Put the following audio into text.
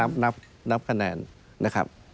นับคะแนนนะครับ